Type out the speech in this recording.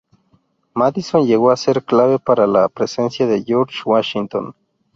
Madison llegó a ser clave para la presencia de George Washington.